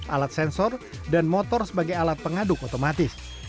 alat sensor dan motor sebagai alat pengaduk otomatis